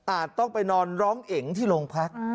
ต้องไปนอนร้องเอ๋งที่โรงพัก